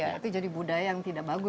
iya itu jadi budaya yang tidak bagus